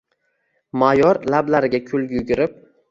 Mayor lablariga kulgi yugurib: